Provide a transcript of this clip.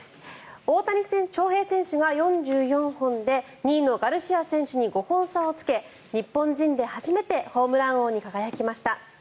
大谷翔平選手が４４本で２位のガルシア選手に５本差をつけ日本人で初めてホームラン王に輝きました。